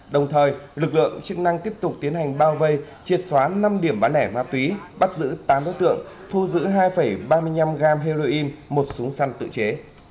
đồng thời lực lượng chức năng tiếp tục tiến hành bao vây triệt xóa năm điểm bán lẻ ma túy bắt giữ tám đối tượng thu giữ hai ba mươi năm gram heroin một súng săn tự chế